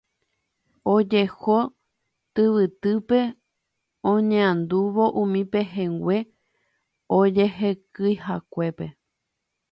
ojeho tyvytýpe oñe'andúvo umi pehẽngue ojehekyi'akuépe.